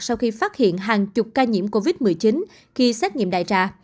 sau khi phát hiện hàng chục ca nhiễm covid một mươi chín khi xét nghiệm đại trà